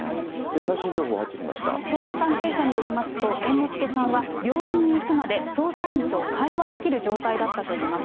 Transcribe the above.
捜査関係者によりますと、猿之助さんは病院に行くまで捜査員と会話できる状態だったといいます。